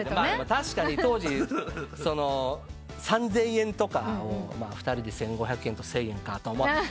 確かに当時３，０００円とかを２人で１，５００円と１，０００円かって。